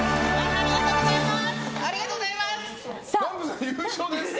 ありがとうございます！